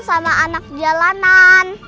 sama anak jalanan